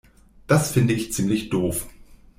Das finde ich ziemlich doof.